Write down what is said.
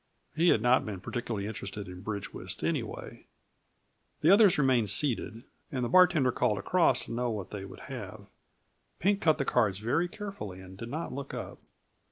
He had not been particularly interested in bridge whist anyway. The others remained seated, and the bartender called across to know what they would have. Pink cut the cards very carefully, and did not look up.